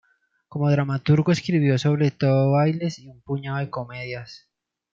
Como dramaturgo escribió sobre todo bailes y un puñado de comedias.